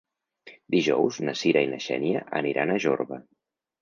Dijous na Sira i na Xènia aniran a Jorba.